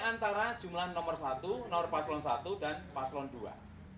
antara jumlah nomor satu nomor paslon satu dan paslon dua